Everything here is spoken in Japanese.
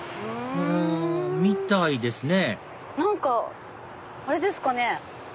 みたいですね何かあれですかね？